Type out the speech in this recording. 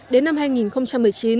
đến năm hai nghìn một mươi năm